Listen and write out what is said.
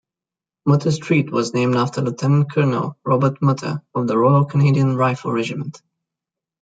Muter Street was named after Lieutenant-Colonel Robert Muter of the Royal Canadian Rifle Regiment.